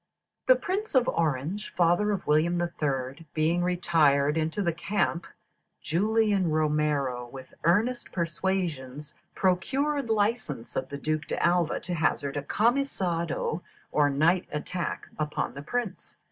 "The Prince of Orange (father of William III.) being retired into the camp, Julian Romero, with earnest persuasions, procured license of the Duke D'Alva to hazard a camisado, or night attack, upon the prince.